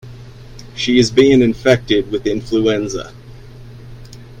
She is being infected with influenza.